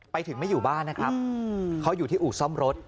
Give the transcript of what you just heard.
ไปถึงไม่อยู่บ้านนะครับเขาอยู่ที่อู่ซ่อมรถ